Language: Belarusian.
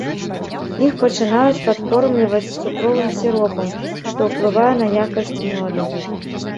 Іх пачынаюць падкормліваць цукровым сіропам, што ўплывае на якасць мёду.